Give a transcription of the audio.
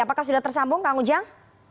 apakah sudah tersambung kang ujang